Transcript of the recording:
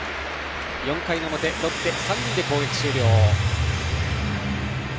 ４回の表、ロッテ３人で攻撃終了。